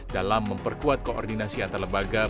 dalam memperkuat koordinasi antar lembaga